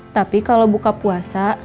tapi kalau buka puasa